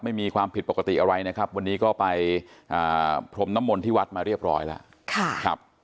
ไม่มีความผิดปกติอะไรนะครับวันนี้ก็ไปพรมน้ำมนต์ที่วัดมาเรียบร้อยแล้ว